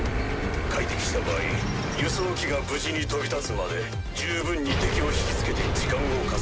会敵した場合輸送機が無事に飛び立つまで十分に敵を引き付けて時間を稼げ。